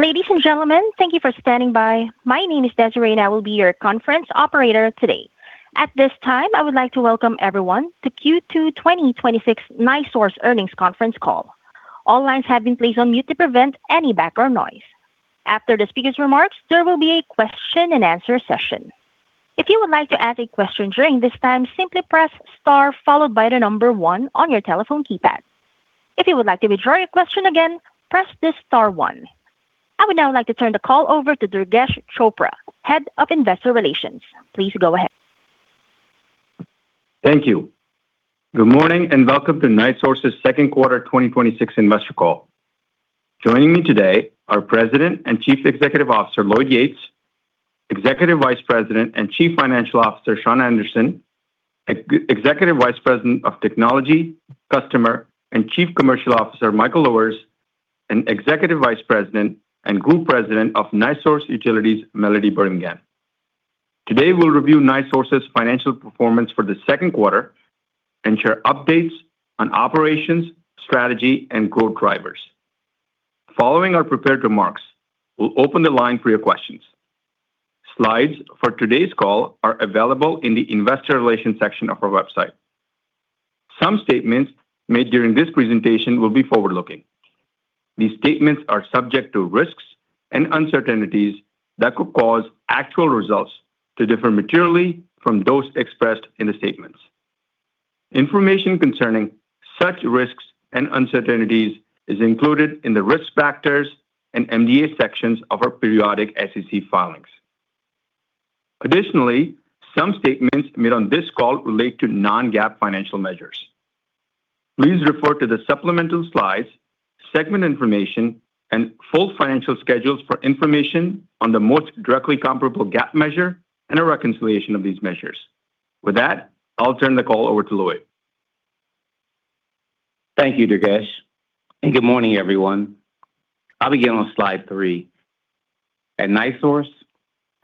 Ladies and gentlemen, thank you for standing by. My name is Desiree, and I will be your Conference Operator today. At this time, I would like to welcome everyone to Q2 2026 NiSource Earnings Conference Call. All lines have been placed on mute to prevent any background noise. After the speaker's remarks, there will be a question and answer session. If you would like to ask a question during this time, simply press star followed by the number one on your telephone keypad. If you would like to withdraw your question again, press this star one. I would now like to turn the call over to Durgesh Chopra, Head of Investor Relations. Please go ahead. Thank you. Good morning and welcome to NiSource's second quarter 2026 investor call. Joining me today are President and Chief Executive Officer, Lloyd Yates, Executive Vice President and Chief Financial Officer, Shawn Anderson, Executive Vice President of Technology, Customer, and Chief Commercial Officer, Michael Luhrs, and Executive Vice President and Group President of NiSource Utilities, Melody Birmingham. Today, we'll review NiSource's financial performance for the second quarter and share updates on operations, strategy, and growth drivers. Following our prepared remarks, we'll open the line for your questions. Slides for today's call are available in the investor relations section of our website. Some statements made during this presentation will be forward-looking. These statements are subject to risks and uncertainties that could cause actual results to differ materially from those expressed in the statements. Information concerning such risks and uncertainties is included in the risk factors and MDA sections of our periodic SEC filings. Additionally, some statements made on this call relate to non-GAAP financial measures. Please refer to the supplemental slides, segment information, and full financial schedules for information on the most directly comparable GAAP measure and a reconciliation of these measures. With that, I'll turn the call over to Lloyd. Thank you, Durgesh. Good morning, everyone. I'll begin on slide three. At NiSource,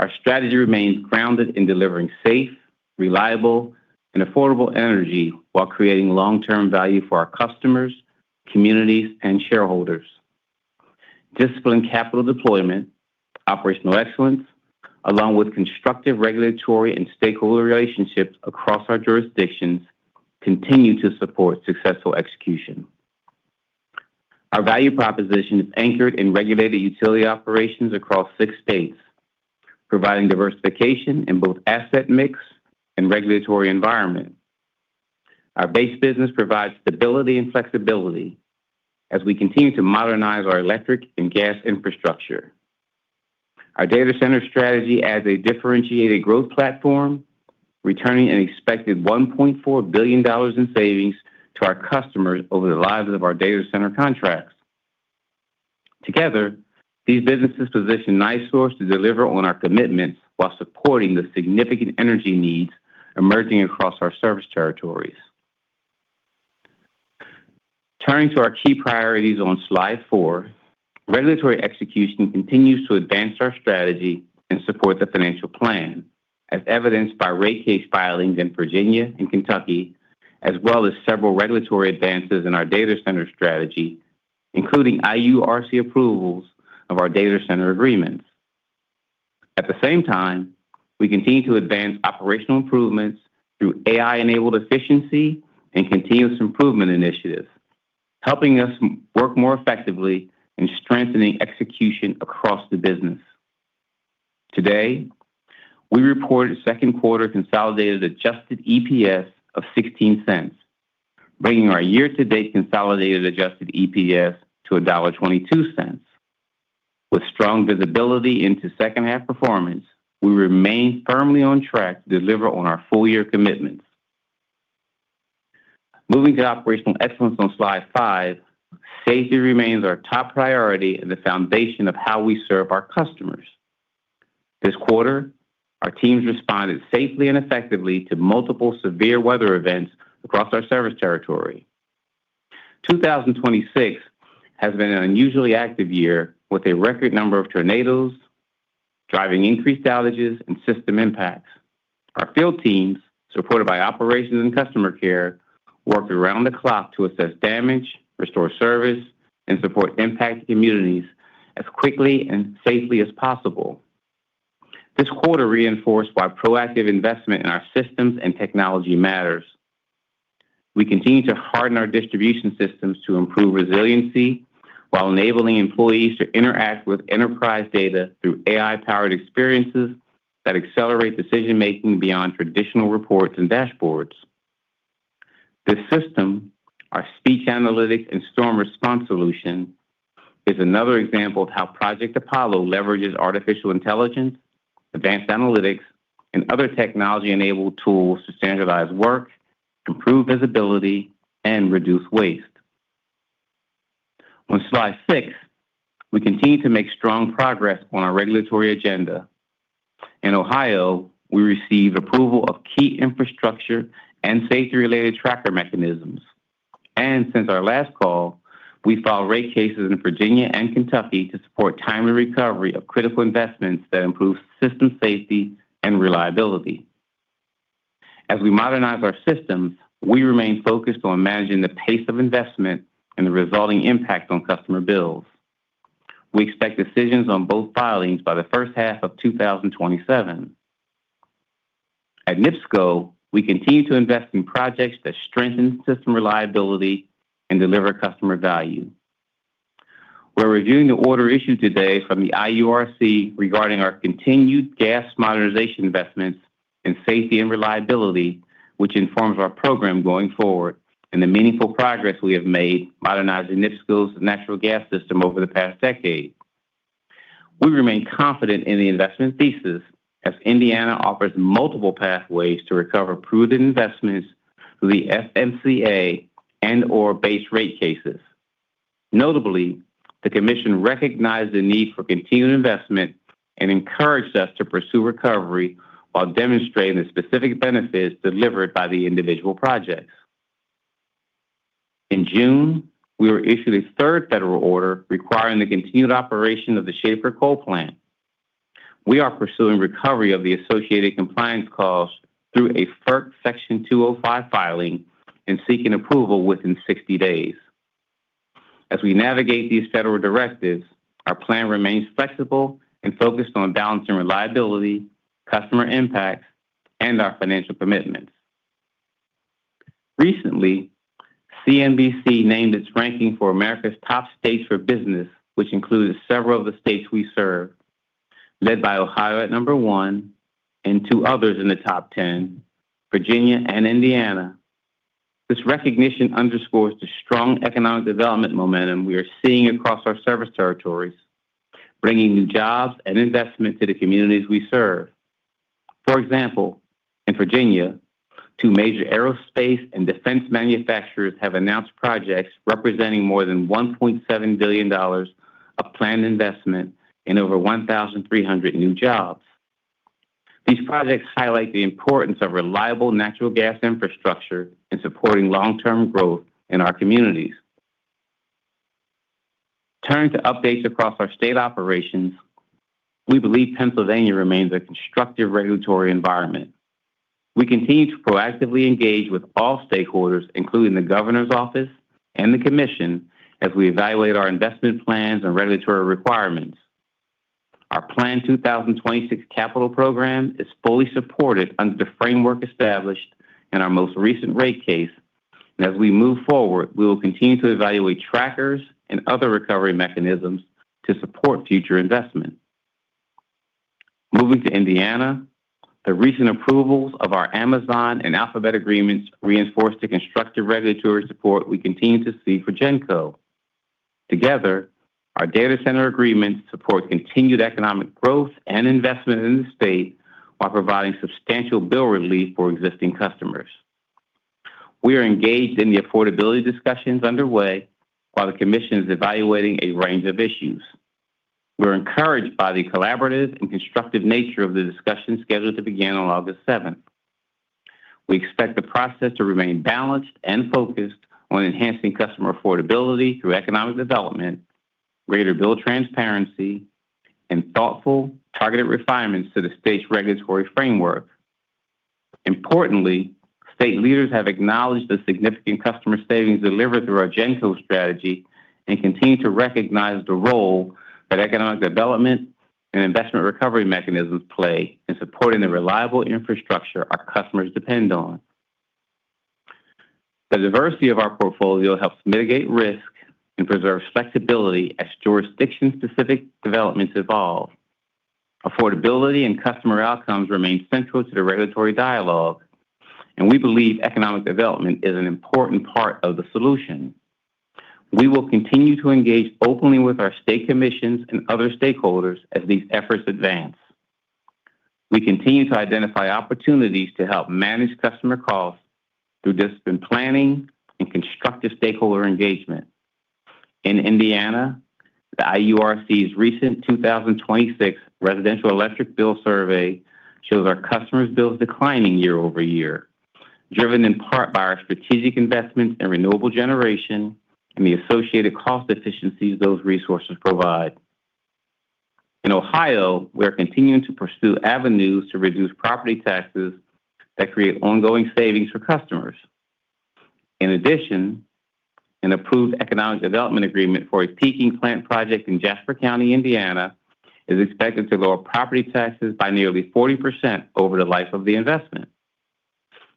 our strategy remains grounded in delivering safe, reliable, and affordable energy while creating long-term value for our customers, communities, and shareholders. Disciplined capital deployment, operational excellence, along with constructive regulatory and stakeholder relationships across our jurisdictions continue to support successful execution. Our value proposition is anchored in regulated utility operations across six states, providing diversification in both asset mix and regulatory environment. Our base business provides stability and flexibility as we continue to modernize our electric and gas infrastructure. Our data center strategy adds a differentiated growth platform, returning an expected $1.4 billion in savings to our customers over the lives of our data center contracts. Together, these businesses position NiSource to deliver on our commitments while supporting the significant energy needs emerging across our service territories. Turning to our key priorities on slide four, regulatory execution continues to advance our strategy and support the financial plan, as evidenced by rate case filings in Virginia and Kentucky, as well as several regulatory advances in our data center strategy, including IURC approvals of our data center agreements. At the same time, we continue to advance operational improvements through AI-enabled efficiency and continuous improvement initiatives, helping us work more effectively in strengthening execution across the business. Today, we report a second quarter consolidated adjusted EPS of $0.16, bringing our year-to-date consolidated adjusted EPS to $1.22. With strong visibility into second-half performance, we remain firmly on track to deliver on our full-year commitments. Moving to operational excellence on slide five, safety remains our top priority and the foundation of how we serve our customers. This quarter, our teams responded safely and effectively to multiple severe weather events across our service territory. 2026 has been an unusually active year with a record number of tornadoes, driving increased outages and system impacts. Our field teams, supported by operations and customer care, worked around the clock to assess damage, restore service, and support impacted communities as quickly and safely as possible. This quarter reinforced why proactive investment in our systems and technology matters. We continue to harden our distribution systems to improve resiliency while enabling employees to interact with enterprise data through AI-powered experiences that accelerate decision-making beyond traditional reports and dashboards. This system, our speech analytics and storm response solution, is another example of how Project Apollo leverages artificial intelligence, advanced analytics, and other technology-enabled tools to standardize work, improve visibility, and reduce waste. On slide six, we continue to make strong progress on our regulatory agenda. In Ohio, we received approval of key infrastructure and safety-related tracker mechanisms. Since our last call, we filed rate cases in Virginia and Kentucky to support timely recovery of critical investments that improve system safety and reliability. As we modernize our systems, we remain focused on managing the pace of investment and the resulting impact on customer bills. We expect decisions on both filings by the first half of 2027. At NIPSCO, we continue to invest in projects that strengthen system reliability and deliver customer value. We're reviewing the order issued today from the IURC regarding our continued gas modernization investments in safety and reliability, which informs our program going forward and the meaningful progress we have made modernizing NIPSCO's natural gas system over the past decade. We remain confident in the investment thesis as Indiana offers multiple pathways to recover proven investments through the FMCA and/or base rate cases. Notably, the commission recognized the need for continued investment and encouraged us to pursue recovery while demonstrating the specific benefits delivered by the individual projects. In June, we were issued a third federal order requiring the continued operation of the Schahfer Coal Plant. We are pursuing recovery of the associated compliance costs through a FERC Section 205 filing and seeking approval within 60 days. As we navigate these federal directives, our plan remains flexible and focused on balancing reliability, customer impact, and our financial commitments. Recently, CNBC named its ranking for America's top states for business, which includes several of the states we serve, led by Ohio at number one and two others in the top 10, Virginia and Indiana. This recognition underscores the strong economic development momentum we are seeing across our service territories, bringing new jobs and investment to the communities we serve. For example, in Virginia, two major aerospace and defense manufacturers have announced projects representing more than $1.7 billion of planned investment and over 1,300 new jobs. These projects highlight the importance of reliable natural gas infrastructure in supporting long-term growth in our communities. Turning to updates across our state operations, we believe Pennsylvania remains a constructive regulatory environment. We continue to proactively engage with all stakeholders, including the governor's office and the commission, as we evaluate our investment plans and regulatory requirements. Our Plan 2026 capital program is fully supported under the framework established in our most recent rate case. As we move forward, we will continue to evaluate trackers and other recovery mechanisms to support future investment. Moving to Indiana, the recent approvals of our Amazon and Alphabet agreements reinforce the constructive regulatory support we continue to see for GenCo. Together, our data center agreements support continued economic growth and investment in the state while providing substantial bill relief for existing customers. We are engaged in the affordability discussions underway while the commission is evaluating a range of issues. We're encouraged by the collaborative and constructive nature of the discussions scheduled to begin on August 7th. We expect the process to remain balanced and focused on enhancing customer affordability through economic development, greater bill transparency, and thoughtful, targeted refinements to the state's regulatory framework. Importantly, state leaders have acknowledged the significant customer savings delivered through our GenCo strategy and continue to recognize the role that economic development and investment recovery mechanisms play in supporting the reliable infrastructure our customers depend on. The diversity of our portfolio helps mitigate risk and preserves flexibility as jurisdiction-specific developments evolve. Affordability and customer outcomes remain central to the regulatory dialogue, and we believe economic development is an important part of the solution. We will continue to engage openly with our state commissions and other stakeholders as these efforts advance. We continue to identify opportunities to help manage customer costs through disciplined planning and constructive stakeholder engagement. In Indiana, the IURC's recent 2026 residential electric bill survey shows our customers' bills declining year-over-year, driven in part by our strategic investments in renewable generation and the associated cost efficiencies those resources provide. In Ohio, we are continuing to pursue avenues to reduce property taxes that create ongoing savings for customers. In addition, an approved economic development agreement for a peaking plant project in Jasper County, Indiana, is expected to lower property taxes by nearly 40% over the life of the investment,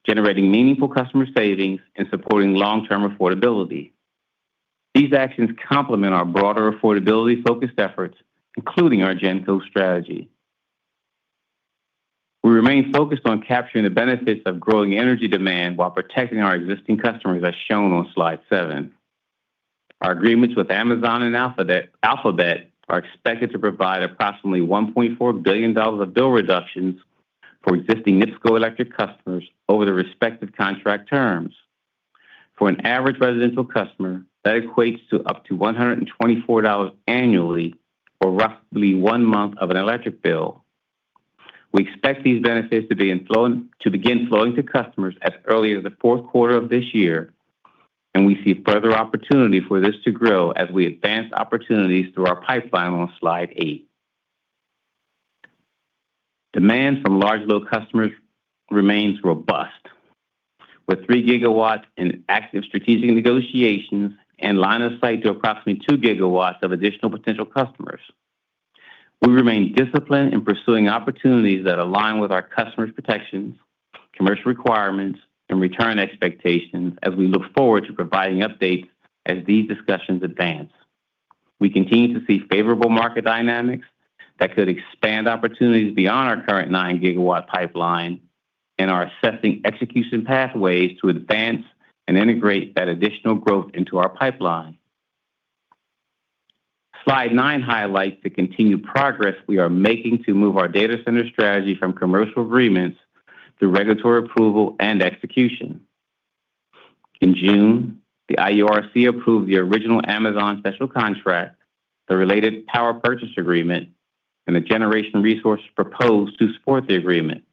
generating meaningful customer savings and supporting long-term affordability. These actions complement our broader affordability-focused efforts, including our GenCo strategy. We remain focused on capturing the benefits of growing energy demand while protecting our existing customers, as shown on slide seven. Our agreements with Amazon and Alphabet are expected to provide approximately $1.4 billion of bill reductions for existing NIPSCO electric customers over their respective contract terms. For an average residential customer, that equates to up to $124 annually or roughly one month of an electric bill. We expect these benefits to begin flowing to customers as early as the fourth quarter of this year. We see further opportunity for this to grow as we advance opportunities through our pipeline on slide eight. Demand from large load customers remains robust, with 3 GW in active strategic negotiations and line of sight to approximately 2 GW of additional potential customers. We remain disciplined in pursuing opportunities that align with our customers' protections, commercial requirements, and return expectations as we look forward to providing updates as these discussions advance. We continue to see favorable market dynamics that could expand opportunities beyond our current 9 GW pipeline. We are assessing execution pathways to advance and integrate that additional growth into our pipeline. Slide nine highlights the continued progress we are making to move our data center strategy from commercial agreements through regulatory approval and execution. In June, the IURC approved the original Amazon special contract, the related power purchase agreement, and the generation resource proposed to support the agreement.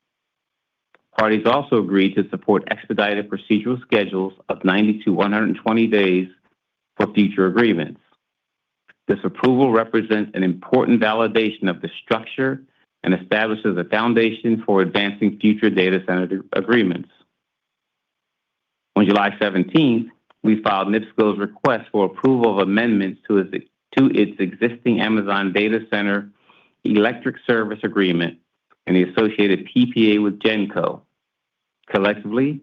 Parties also agreed to support expedited procedural schedules of 90-120 days for future agreements. This approval represents an important validation of the structure and establishes a foundation for advancing future data center agreements. On July 17th, we filed NIPSCO's request for approval of amendments to its existing Amazon Data Center Electric Service Agreement and the associated PPA with GenCo. Collectively,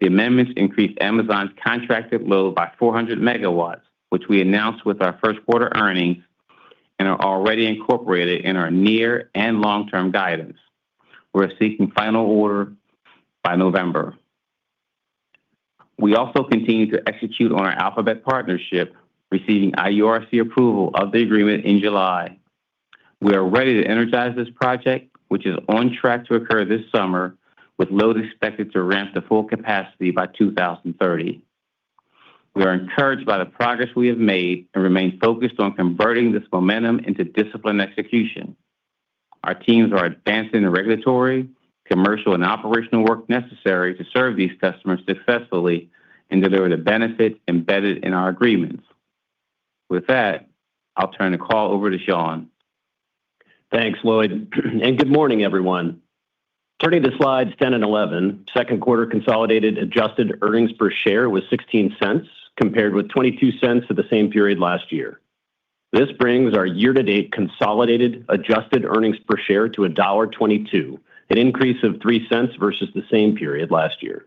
the amendments increased Amazon's contracted load by 400 MW, which we announced with our first quarter earnings and are already incorporated in our near and long-term guidance. We are seeking final order by November. We also continue to execute on our Alphabet partnership, receiving IURC approval of the agreement in July. We are ready to energize this project, which is on track to occur this summer with load expected to ramp to full capacity by 2030. We are encouraged by the progress we have made and remain focused on converting this momentum into disciplined execution. Our teams are advancing the regulatory, commercial, and operational work necessary to serve these customers successfully and deliver the benefit embedded in our agreements. With that, I will turn the call over to Shawn. Thanks, Lloyd. Good morning, everyone. Turning to slides 10 and 11, second quarter consolidated adjusted earnings per share was $0.16, compared with $0.22 for the same period last year. This brings our year-to-date consolidated adjusted earnings per share to $1.22, an increase of $0.03 versus the same period last year.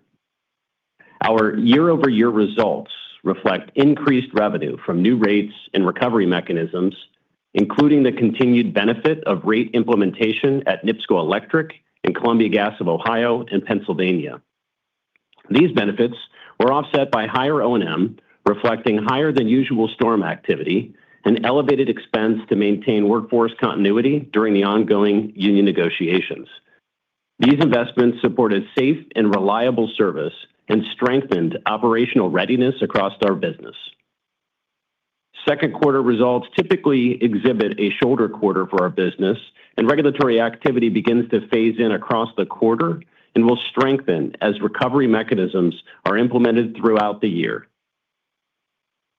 Our year-over-year results reflect increased revenue from new rates and recovery mechanisms, including the continued benefit of rate implementation at NIPSCO Electric and Columbia Gas of Ohio and Pennsylvania. These benefits were offset by higher O&M, reflecting higher than usual storm activity and elevated expense to maintain workforce continuity during the ongoing union negotiations. These investments supported safe and reliable service and strengthened operational readiness across our business. Second quarter results typically exhibit a shoulder quarter for our business, regulatory activity begins to phase in across the quarter and will strengthen as recovery mechanisms are implemented throughout the year.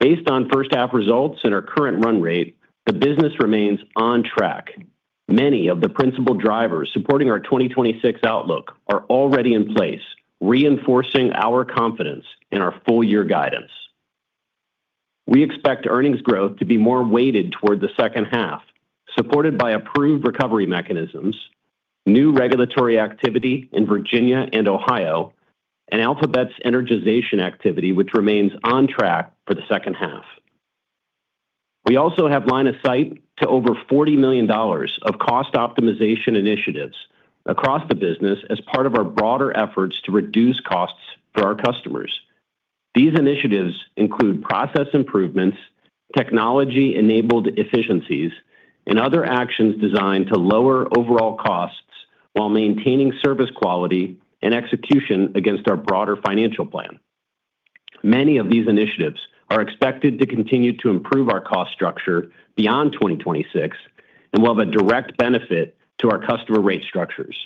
Based on first half results and our current run rate, the business remains on track. Many of the principal drivers supporting our 2026 outlook are already in place, reinforcing our confidence in our full year guidance. We expect earnings growth to be more weighted toward the second half, supported by approved recovery mechanisms, new regulatory activity in Virginia and Ohio, and Alphabet's energization activity, which remains on track for the second half. We also have line of sight to over $40 million of cost optimization initiatives across the business as part of our broader efforts to reduce costs for our customers. These initiatives include process improvements, technology-enabled efficiencies, and other actions designed to lower overall costs while maintaining service quality and execution against our broader financial plan. Many of these initiatives are expected to continue to improve our cost structure beyond 2026 and will have a direct benefit to our customer rate structures.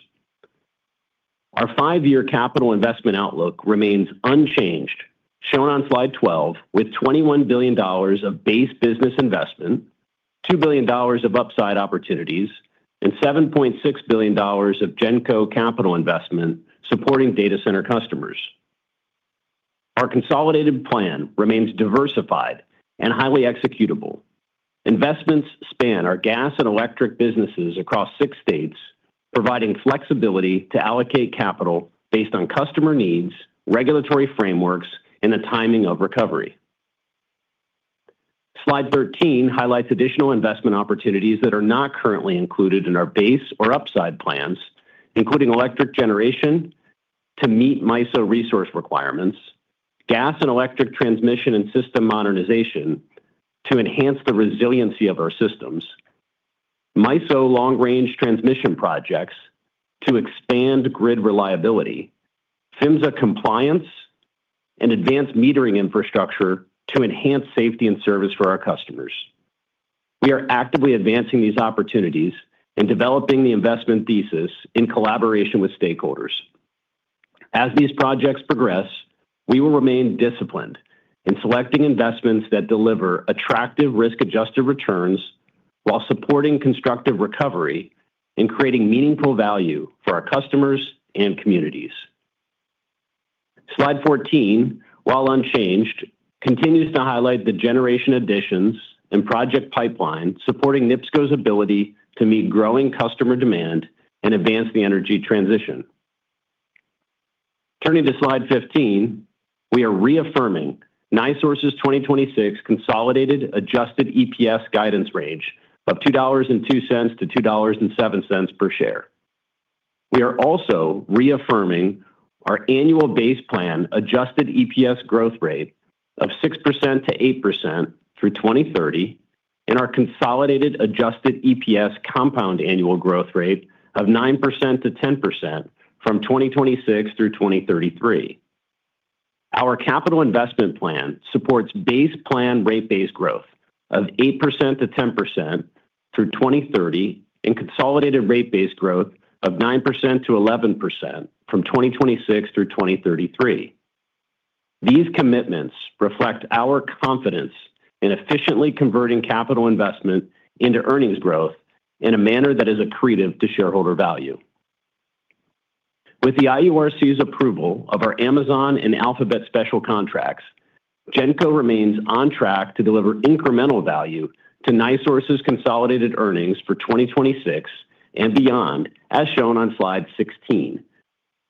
Our five-year capital investment outlook remains unchanged, shown on slide 12, with $21 billion of base business investment, $2 billion of upside opportunities, and $7.6 billion of GenCo capital investment supporting data center customers. Our consolidated plan remains diversified and highly executable. Investments span our gas and electric businesses across six states, providing flexibility to allocate capital based on customer needs, regulatory frameworks, and the timing of recovery. Slide 13 highlights additional investment opportunities that are not currently included in our base or upside plans, including electric generation to meet MISO resource requirements, gas and electric transmission and system modernization to enhance the resiliency of our systems, MISO long-range transmission projects to expand grid reliability, PHMSA compliance, and advanced metering infrastructure to enhance safety and service for our customers. We are actively advancing these opportunities and developing the investment thesis in collaboration with stakeholders. As these projects progress, we will remain disciplined in selecting investments that deliver attractive risk-adjusted returns while supporting constructive recovery and creating meaningful value for our customers and communities. Slide 14, while unchanged, continues to highlight the generation additions and project pipeline supporting NIPSCO's ability to meet growing customer demand and advance the energy transition. Turning to slide 15, we are reaffirming NiSource's 2026 consolidated adjusted EPS guidance range of $2.02-$2.07 per share. We are also reaffirming our annual base plan adjusted EPS growth rate of 6%-8% through 2030 and our consolidated adjusted EPS compound annual growth rate of 9%-10% from 2026 through 2033. Our capital investment plan supports base plan rate base growth of 8%-10% through 2030 and consolidated rate base growth of 9%-11% from 2026 through 2033. These commitments reflect our confidence in efficiently converting capital investment into earnings growth in a manner that is accretive to shareholder value. With the IURC's approval of our Amazon and Alphabet special contracts, GenCo remains on track to deliver incremental value to NiSource's consolidated earnings for 2026 and beyond, as shown on slide 16.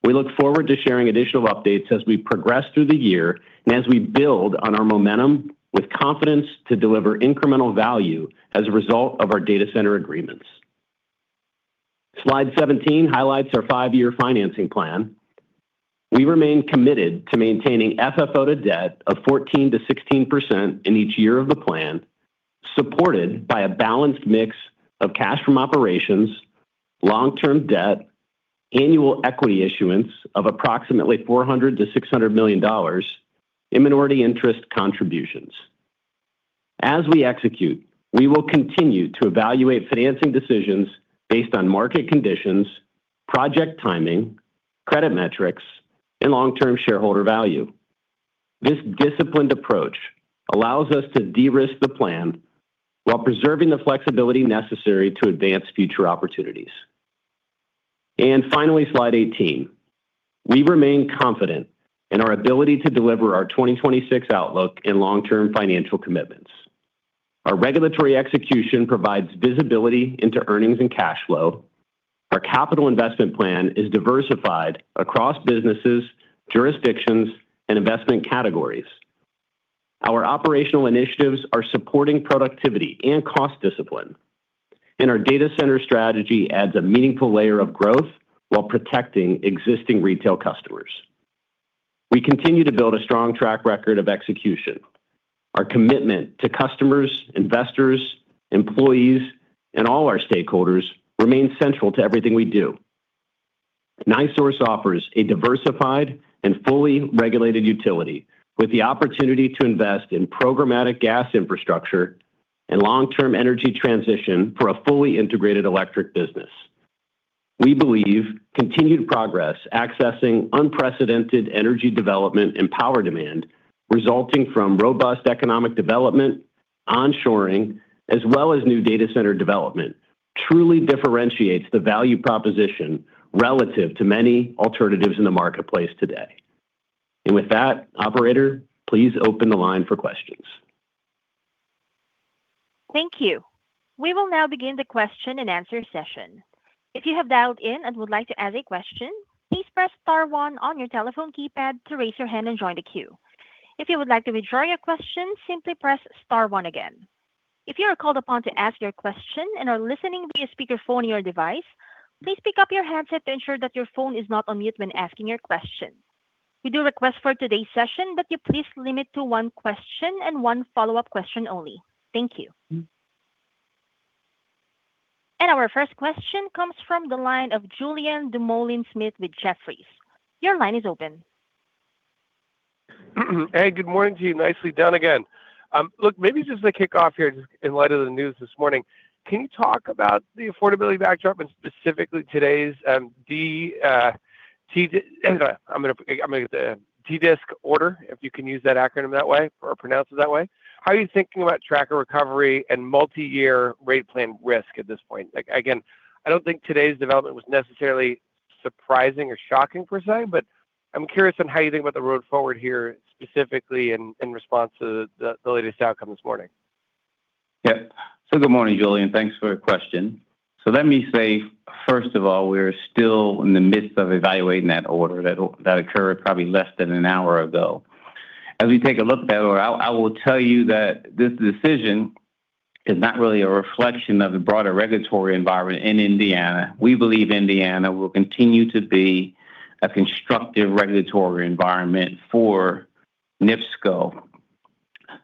We look forward to sharing additional updates as we progress through the year and as we build on our momentum with confidence to deliver incremental value as a result of our data center agreements. Slide 17 highlights our five-year financing plan. We remain committed to maintaining FFO to debt of 14%-16% in each year of the plan, supported by a balanced mix of cash from operations, long-term debt, annual equity issuance of approximately $400 million-$600 million in minority interest contributions. As we execute, we will continue to evaluate financing decisions based on market conditions, project timing, credit metrics, and long-term shareholder value. This disciplined approach allows us to de-risk the plan while preserving the flexibility necessary to advance future opportunities. Finally, slide 18. We remain confident in our ability to deliver our 2026 outlook and long-term financial commitments. Our regulatory execution provides visibility into earnings and cash flow. Our capital investment plan is diversified across businesses, jurisdictions, and investment categories. Our operational initiatives are supporting productivity and cost discipline. Our data center strategy adds a meaningful layer of growth while protecting existing retail customers. We continue to build a strong track record of execution. Our commitment to customers, investors, employees, and all our stakeholders remains central to everything we do. NiSource offers a diversified and fully regulated utility with the opportunity to invest in programmatic gas infrastructure and long-term energy transition for a fully integrated electric business. We believe continued progress accessing unprecedented energy development and power demand resulting from robust economic development, onshoring, as well as new data center development, truly differentiates the value proposition relative to many alternatives in the marketplace today. With that, operator, please open the line for questions. Thank you. We will now begin the question and answer session. If you have dialed in and would like to ask a question, please press star one on your telephone keypad to raise your hand and join the queue. If you would like to withdraw your question, simply press star one again. If you are called upon to ask your question and are listening via speakerphone or your device, please pick up your handset to ensure that your phone is not on mute when asking your question. We do request for today's session that you please limit to one question and one follow-up question only. Thank you. Our first question comes from the line of Julien Dumoulin-Smith with Jefferies. Your line is open. Hey, good morning to you. Nicely done again. Look, maybe just to kick off here, just in light of the news this morning, can you talk about the affordability backdrop and specifically today's TDSIC order, if you can use that acronym that way or pronounce it that way. How are you thinking about tracker recovery and multi-year rate plan risk at this point? I don't think today's development was necessarily surprising or shocking per se, but I am curious on how you think about the road forward here, specifically in response to the latest outcome this morning. Good morning, Julien. Thanks for your question. Let me say, first of all, we're still in the midst of evaluating that order that occurred probably less than an hour ago. As we take a look at that order, I will tell you that this decision is not really a reflection of the broader regulatory environment in Indiana. We believe Indiana will continue to be a constructive regulatory environment for NIPSCO.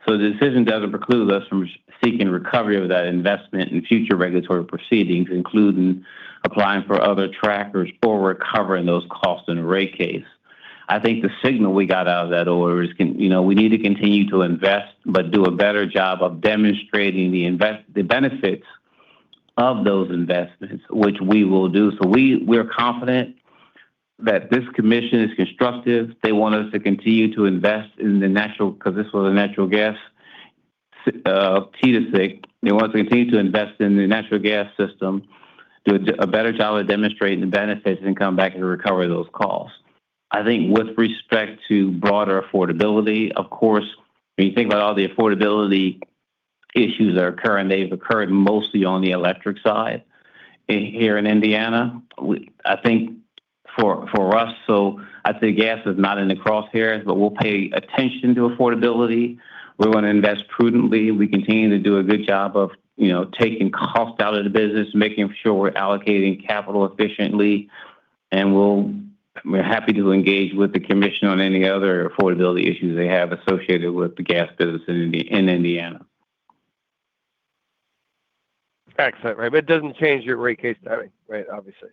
The decision doesn't preclude us from seeking recovery of that investment in future regulatory proceedings, including applying for other trackers for recovering those costs in a rate case. I think the signal we got out of that order is we need to continue to invest but do a better job of demonstrating the benefits of those investments, which we will do. We're confident that this commission is constructive. They want us to continue to invest in the natural, because this was a natural gas TDSIC. They want us to continue to invest in the natural gas system, do a better job of demonstrating the benefits and come back and recover those costs. I think with respect to broader affordability, of course, when you think about all the affordability issues that are occurring, they've occurred mostly on the electric side here in Indiana. I think for us, I'd say gas is not in the crosshairs, but we'll pay attention to affordability. We want to invest prudently. We continue to do a good job of taking cost out of the business, making sure we're allocating capital efficiently, and we're happy to engage with the commission on any other affordability issues they have associated with the gas business in Indiana. Excellent. Right. It doesn't change your rate case timing, right, obviously?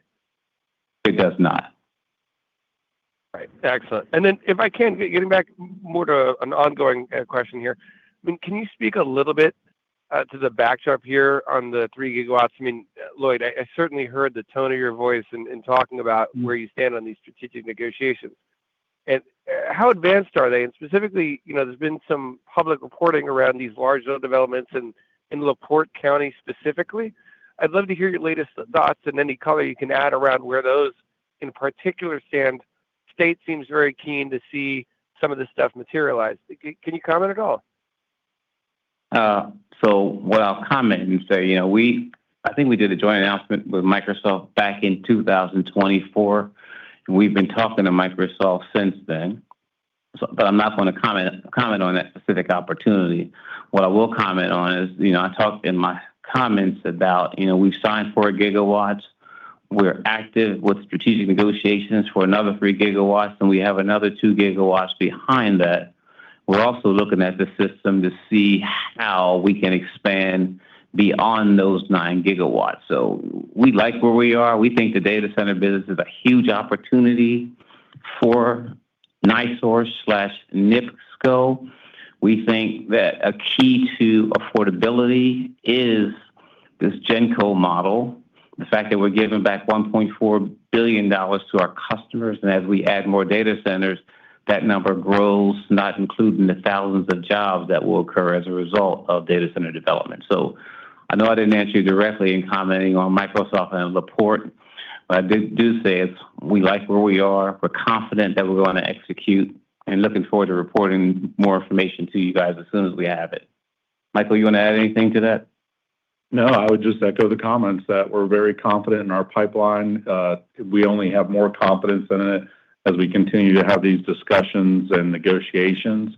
It does not. Right. Excellent. Then if I can, getting back more to an ongoing question here. Can you speak a little bit to the backdrop here on the 3 GW? Lloyd, I certainly heard the tone of your voice in talking about where you stand on these strategic negotiations. How advanced are they? Specifically, there's been some public reporting around these large zone developments and in LaPorte County specifically. I'd love to hear your latest thoughts and any color you can add around where those in particular stand. State seems very keen to see some of this stuff materialize. Can you comment at all? What I'll comment and say, I think we did a joint announcement with Microsoft back in 2024, and we've been talking to Microsoft since then. I'm not going to comment on that specific opportunity. What I will comment on is, I talked in my comments about we've signed 4 GW, we're active with strategic negotiations for another 3 GW, and we have another 2 GW behind that. We're also looking at the system to see how we can expand beyond those 9 GW. We like where we are. We think the data center business is a huge opportunity for NiSource/NIPSCO. We think that a key to affordability is this GenCo model. The fact that we're giving back $1.4 billion to our customers, as we add more data centers, that number grows, not including the thousands of jobs that will occur as a result of data center development. I know I didn't answer you directly in commenting on Microsoft and LaPorte, I do say is we like where we are. We're confident that we're going to execute and looking forward to reporting more information to you guys as soon as we have it. Michael, you want to add anything to that? No, I would just echo the comments that we're very confident in our pipeline. We only have more confidence in it as we continue to have these discussions and negotiations.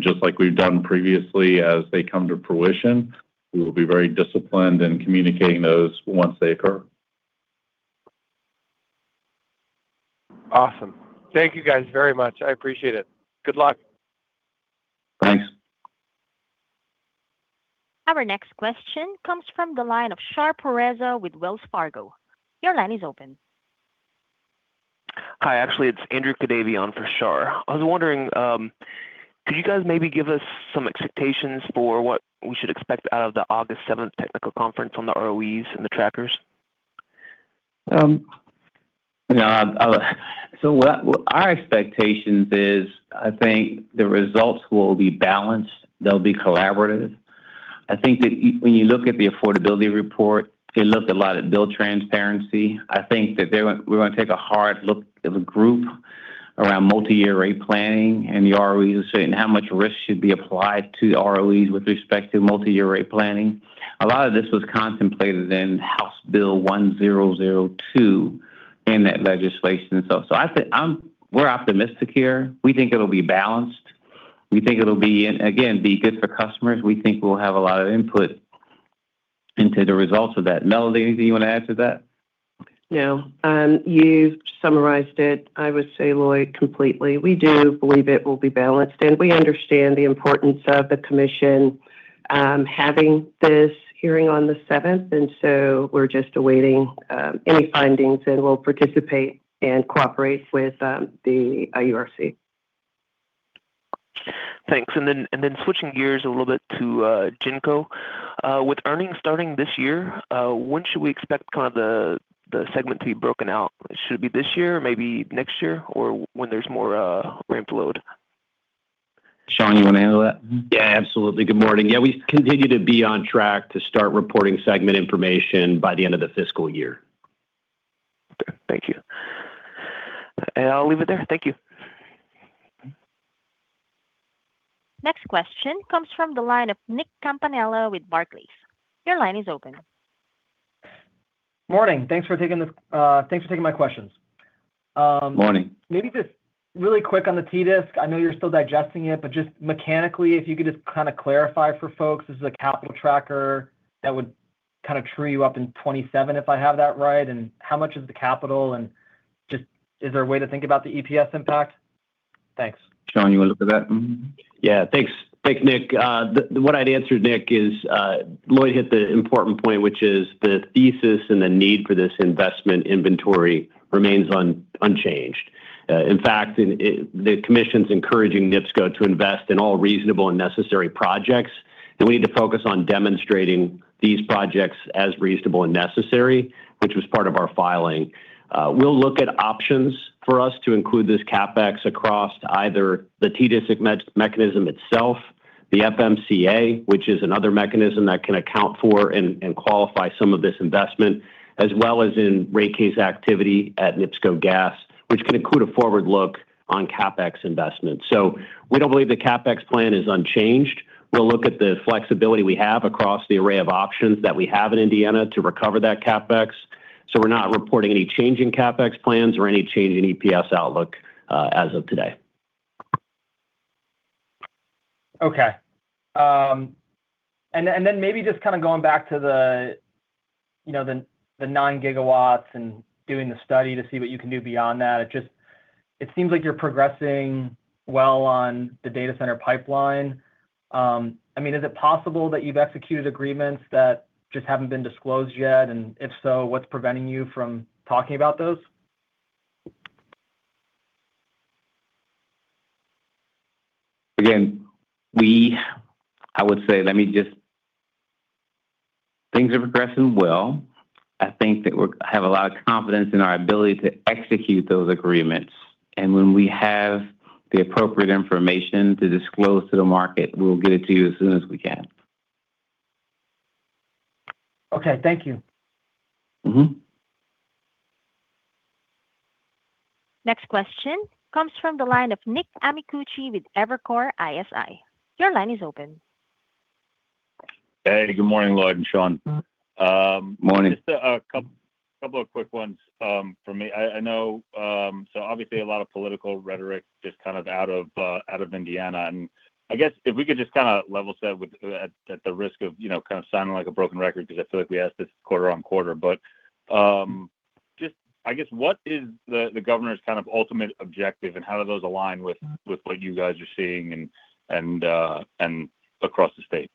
Just like we've done previously, as they come to fruition, we will be very disciplined in communicating those once they occur. Awesome. Thank you guys very much. I appreciate it. Good luck. Thanks. Our next question comes from the line of Shar Pourreza with Wells Fargo. Your line is open. Hi. Actually, it's Andrew Kadavy on for Shar. I was wondering, could you guys maybe give us some expectations for what we should expect out of the August 7th technical conference on the ROEs and the trackers? Our expectations is, I think the results will be balanced, they'll be collaborative. I think that when you look at the affordability report, it looked a lot at bill transparency. I think that we're going to take a hard look as a group around multi-year rate planning and the ROEs, and how much risk should be applied to the ROEs with respect to multi-year rate planning. A lot of this was contemplated in House Bill 1002 in that legislation. I think we're optimistic here. We think it'll be balanced. We think it'll be, again, be good for customers. We think we'll have a lot of input into the results of that. Melody, anything you want to add to that? No. You summarized it, I would say, Lloyd, completely. We do believe it will be balanced, and we understand the importance of the commission having this hearing on the 7th. We're just awaiting any findings, and we'll participate and cooperate with the IURC. Thanks. Switching gears a little bit to GenCo. With earnings starting this year, when should we expect the segment to be broken out? Should it be this year, maybe next year, or when there's more ramp load? Shawn, you want to handle that? Yeah, absolutely. Good morning. Yeah, we continue to be on track to start reporting segment information by the end of the fiscal year. Okay. Thank you. I'll leave it there. Thank you. Next question comes from the line of Nick Campanella with Barclays. Your line is open. Morning. Thanks for taking my questions. Morning. Maybe just really quick on the TDSIC. I know you're still digesting it, but just mechanically, if you could just kind of clarify for folks, this is a capital tracker that would kind of true you up in 2027, if I have that right. How much is the capital, and just is there a way to think about the EPS impact? Thanks. Shawn, you want to look at that one? Thanks, Nick. What I'd answer, Nick, is Lloyd hit the important point, which is the thesis and the need for this investment inventory remains unchanged. In fact, the commission's encouraging NIPSCO to invest in all reasonable and necessary projects, and we need to focus on demonstrating these projects as reasonable and necessary, which was part of our filing. We'll look at options for us to include this CapEx across either the TDSIC mechanism itself, the FMCA, which is another mechanism that can account for and qualify some of this investment, as well as in rate case activity at NIPSCO Gas, which can include a forward look on CapEx investments. We don't believe the CapEx plan is unchanged. We'll look at the flexibility we have across the array of options that we have in Indiana to recover that CapEx. We're not reporting any change in CapEx plans or any change in EPS outlook as of today. Okay. Maybe just going back to the 9 GW and doing the study to see what you can do beyond that. It seems like you're progressing well on the data center pipeline. Is it possible that you've executed agreements that just haven't been disclosed yet? If so, what's preventing you from talking about those? Again, I would say things are progressing well. I think that we have a lot of confidence in our ability to execute those agreements. When we have the appropriate information to disclose to the market, we'll get it to you as soon as we can. Okay. Thank you. Next question comes from the line of Nick Amicucci with Evercore ISI. Your line is open. Hey, good morning, Lloyd and Shawn. Morning. Just a couple of quick ones from me. Obviously a lot of political rhetoric just out of Indiana. I guess if we could just level set with, at the risk of sounding like a broken record, because I feel like we ask this quarter-on-quarter. Just, I guess, what is the governor's ultimate objective, and how do those align with what you guys are seeing and across the state?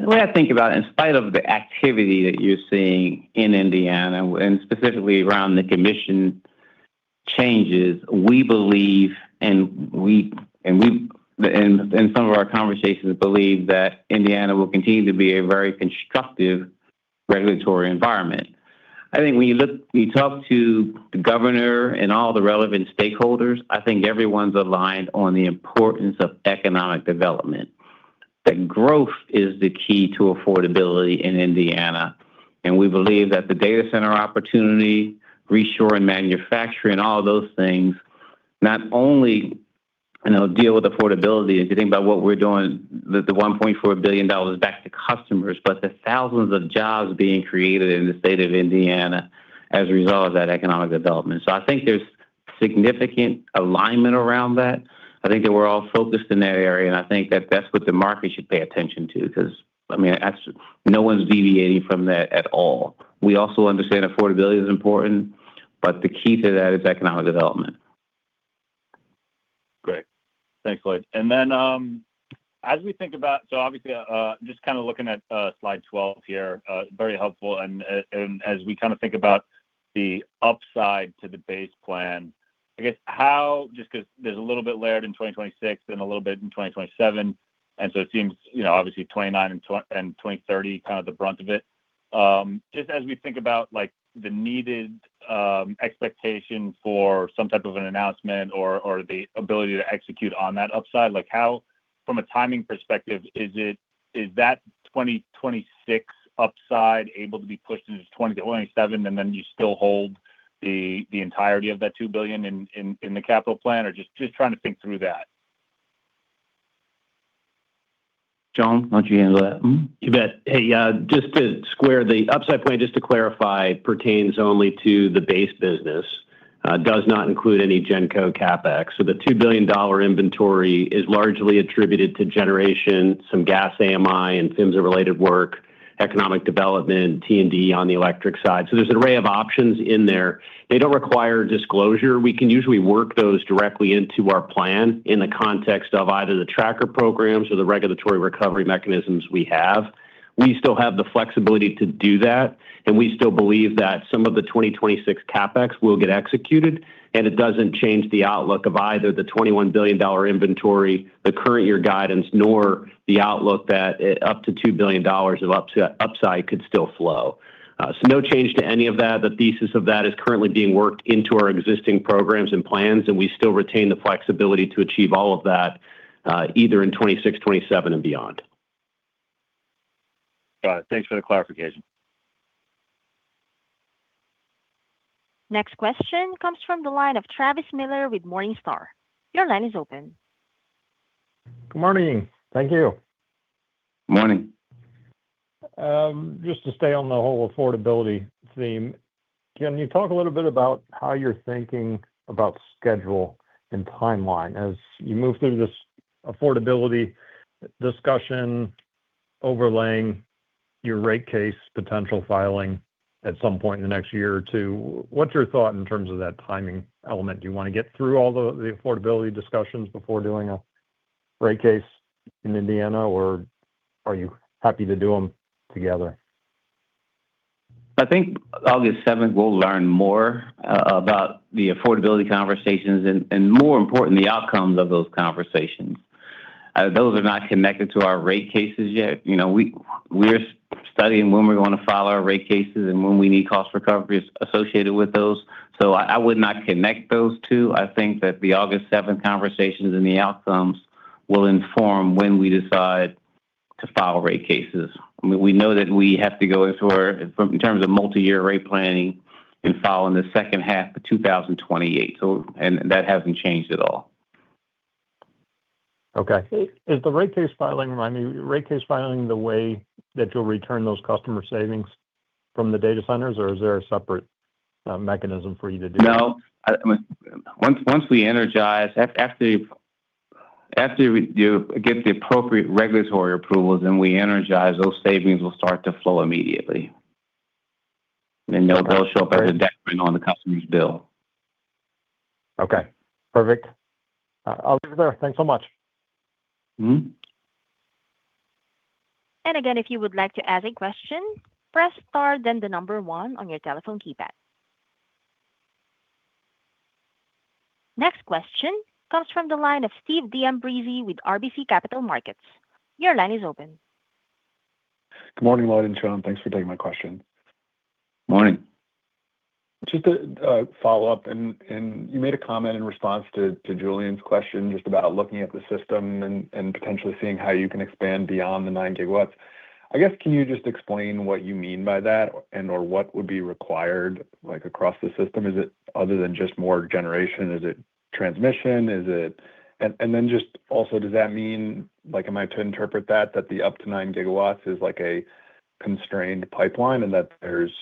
The way I think about it, in spite of the activity that you're seeing in Indiana, and specifically around the commission changes, we believe and we, in some of our conversations, believe that Indiana will continue to be a very constructive regulatory environment. I think when you talk to the governor and all the relevant stakeholders, I think everyone's aligned on the importance of economic development, that growth is the key to affordability in Indiana. We believe that the data center opportunity, reshore and manufacturing, all those things, not only deal with affordability, as you think about what we're doing, the $1.4 billion back to customers, but the thousands of jobs being created in the state of Indiana as a result of that economic development. I think there's significant alignment around that. I think that we're all focused in that area, and I think that that's what the market should pay attention to, because no one's deviating from that at all. We also understand affordability is important, but the key to that is economic development. Great. Thanks, Lloyd. Obviously, just looking at slide 12 here, very helpful. As we think about the upside to the base plan, I guess, just because there's a little bit layered in 2026 and a little bit in 2027, it seems, obviously 2029 and 2030, kind of the brunt of it. Just as we think about the needed expectation for some type of an announcement or the ability to execute on that upside, from a timing perspective is that 2026 upside able to be pushed into 2027, and then you still hold the entirety of that $2 billion in the capital plan? Or just trying to think through that. Shawn, why don't you handle that one? You bet. Hey, just to square the upside point, just to clarify, pertains only to the base business. Does not include any GenCo CapEx. The $2 billion inventory is largely attributed to generation, some gas AMI and SIMS-related work, economic development, T&D on the electric side. There's an array of options in there. They don't require disclosure. We can usually work those directly into our plan in the context of either the tracker programs or the regulatory recovery mechanisms we have. We still have the flexibility to do that, and we still believe that some of the 2026 CapEx will get executed, and it doesn't change the outlook of either the $21 billion inventory, the current year guidance, nor the outlook that up to $2 billion of upside could still flow. No change to any of that. The thesis of that is currently being worked into our existing programs and plans, and we still retain the flexibility to achieve all of that, either in 2026, 2027, and beyond. Got it. Thanks for the clarification. Next question comes from the line of Travis Miller with Morningstar. Your line is open. Good morning. Thank you. Morning. Just to stay on the whole affordability theme, can you talk a little bit about how you're thinking about schedule and timeline as you move through this affordability discussion, overlaying your rate case potential filing at some point in the next year or two? What's your thought in terms of that timing element? Do you want to get through all the affordability discussions before doing a rate case in Indiana, or are you happy to do them together? I think August 7th, we'll learn more about the affordability conversations and more important, the outcomes of those conversations. Those are not connected to our rate cases yet. We're studying when we're going to file our rate cases and when we need cost recoveries associated with those. I would not connect those two. I think that the August 7th conversations and the outcomes will inform when we decide to file rate cases. We know that we have to go as far, in terms of multi-year rate planning, in filing the second half of 2028. That hasn't changed at all. Okay. Is the rate case filing the way that you'll return those customer savings from the data centers, or is there a separate mechanism for you to do that? No. Once we energize, after we do get the appropriate regulatory approvals and we energize, those savings will start to flow immediately. They'll show up as a decrement on the customer's bill. Okay, perfect. I'll leave it there. Thanks so much. Again, if you would like to ask a question, press star then the number one on your telephone keypad. Next question comes from the line of Steve D'Ambrisi with RBC Capital Markets. Your line is open. Good morning, Lloyd and Shawn. Thanks for taking my question. Morning. Just a follow-up, you made a comment in response to Julien's question just about looking at the system and potentially seeing how you can expand beyond the 9 GW. I guess can you just explain what you mean by that and/or what would be required across the system? Is it other than just more generation? Is it transmission? Then just also, does that mean, am I to interpret that the up to 9 GW is a constrained pipeline and that there's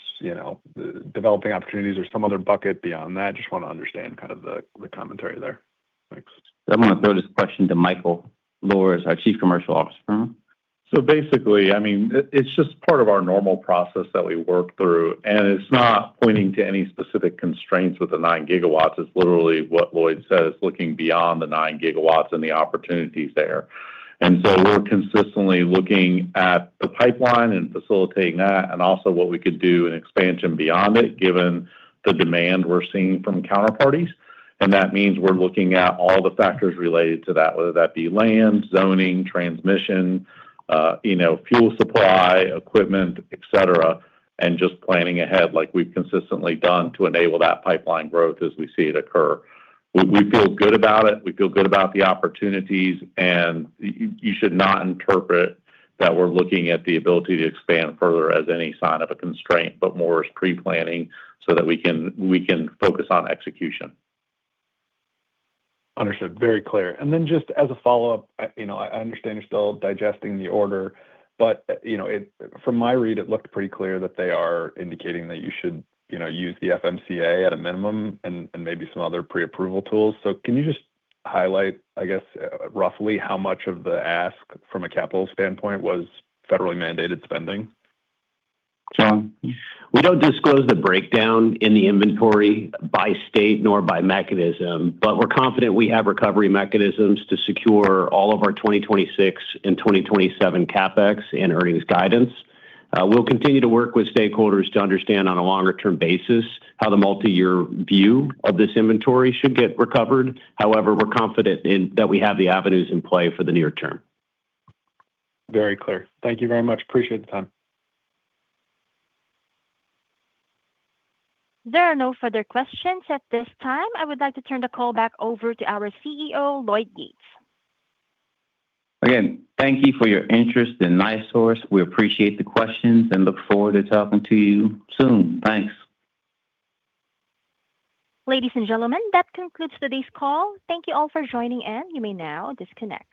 developing opportunities or some other bucket beyond that? Just want to understand the commentary there. Thanks. I'm going to throw this question to Michael Luhrs, our Chief Commercial Officer. Basically, it's just part of our normal process that we work through, it's not pointing to any specific constraints with the 9 GW. It's literally what Lloyd said, it's looking beyond the 9 GW and the opportunities there. We're consistently looking at the pipeline and facilitating that, also what we could do in expansion beyond it, given the demand we're seeing from counterparties. That means we're looking at all the factors related to that, whether that be land, zoning, transmission, fuel supply, equipment, et cetera, just planning ahead like we've consistently done to enable that pipeline growth as we see it occur. We feel good about it. We feel good about the opportunities, you should not interpret that we're looking at the ability to expand further as any sign of a constraint, but more as pre-planning so that we can focus on execution. Understood. Very clear. Just as a follow-up, I understand you're still digesting the order, from my read, it looked pretty clear that they are indicating that you should use the FMCA at a minimum and maybe some other pre-approval tools. Can you just highlight, I guess, roughly how much of the ask from a capital standpoint was federally mandated spending? Shawn. We don't disclose the breakdown in the inventory by state nor by mechanism, we're confident we have recovery mechanisms to secure all of our 2026 and 2027 CapEx and earnings guidance. We'll continue to work with stakeholders to understand on a longer term basis how the multi-year view of this inventory should get recovered. We're confident that we have the avenues in play for the near term. Very clear. Thank you very much. Appreciate the time. There are no further questions at this time. I would like to turn the call back over to our CEO, Lloyd Yates. Again, thank you for your interest in NiSource. We appreciate the questions and look forward to talking to you soon. Thanks. Ladies and gentlemen, that concludes today's call. Thank you all for joining in. You may now disconnect.